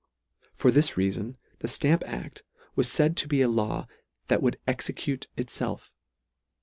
For this reafon the Stamp acl was faid to be a law THAT WOULD EXECUTE ITSELF.